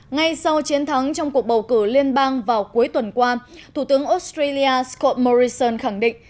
ngay sau chiến thắng trong cuộc bầu cử liên bang vào cuối tuần qua thủ tướng australia scott morrison khẳng định